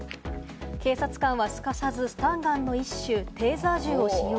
警察官はすかさずスタンガンの一種・テーザー銃を使用。